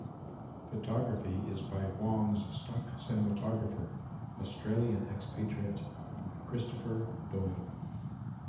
Photography is by Wong's stock cinematographer, Australian expatriate Christopher Doyle.